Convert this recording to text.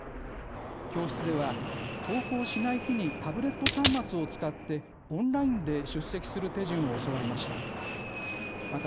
教室では登校しない日にタブレット端末を使ってオンラインで出席する手順を教わりました。